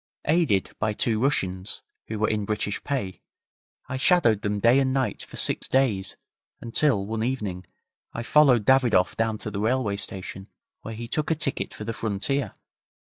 Aided by two Russians, who were in British pay, I shadowed them day and night for six days, until, one evening, I followed Davidoff down to the railway station, where he took a ticket for the frontier.